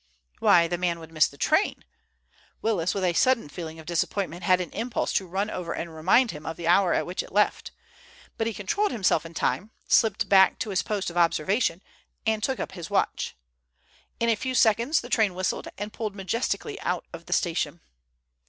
Why, the man would miss the train! Willis, with a sudden feeling of disappointment, had an impulse to run over and remind him of the hour at which it left. But he controlled himself in time, slipped back to his post of observation, and took up his watch. In a few seconds the train whistled, and pulled majestically out of the station.